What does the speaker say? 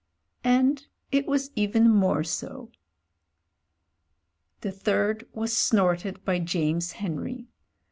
And it was even more so. The third was snorted by James Henry.